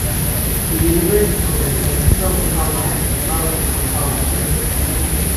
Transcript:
The university maintains close contacts with most of these companies.